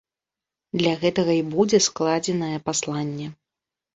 Для гэтага і будзе складзенае пасланне.